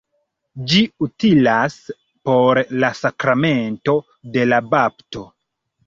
Ĝi utilas por la sakramento de la bapto.